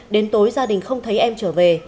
đến tối gia đình không thấy em trở về